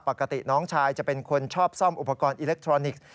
ปกติน้องชายจะเป็นคนชอบซ่อมอุปกรณ์อิเล็กทรอนิกส์